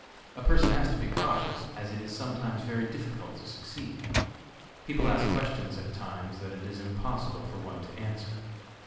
A person has to be cautious, as it is sometimes very difficult to succeed. People ask questions at times that it is impossible for one to answer.